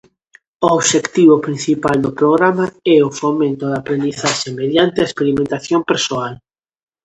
O obxectivo principal do programa é o fomento da aprendizaxe mediante a experimentación persoal.